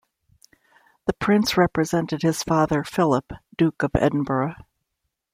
The Prince represented his father Philip, Duke of Edinburgh.